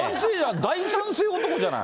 大賛成男じゃない。